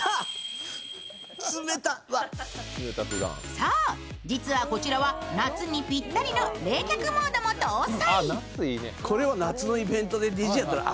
そう、実はこちらは夏にぴったりの冷却モードも搭載。